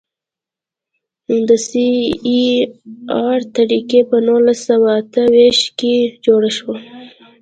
د سی بي ار طریقه په نولس سوه اته ویشت کې جوړه شوه